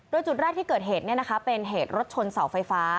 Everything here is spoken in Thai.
โดยจุดแรกที่เกิดเหตุเป็นเหตุรถชนเสาไฟฟ้า